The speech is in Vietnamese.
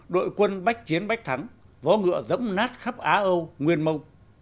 đội quân bách chiến bách thắng vó ngựa dẫm nát khắp á âu nguyên mông